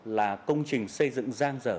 là công trình xây dựng giang rở